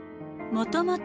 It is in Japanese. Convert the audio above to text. もともと。